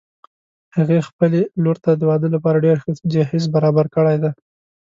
هغې خپلې لور ته د واده لپاره ډېر ښه جهیز برابر کړي دي